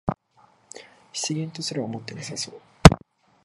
失言とすら思ってなさそう